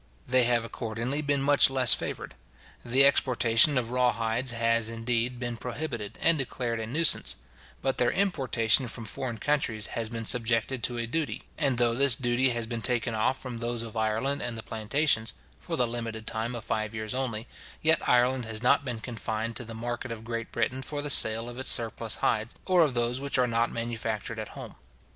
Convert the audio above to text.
They have accordingly been much less favoured. The exportation of raw hides has, indeed, been prohibited, and declared a nuisance; but their importation from foreign countries has been subjected to a duty; and though this duty has been taken off from those of Ireland and the plantations (for the limited time of five years only), yet Ireland has not been confined to the market of Great Britain for the sale of its surplus hides, or of those which are not manufactured at home.